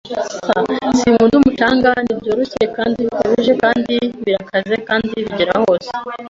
S Sinkunda umucanga. Nibyoroshye kandi bikabije kandi birakaze kandi bigera hose.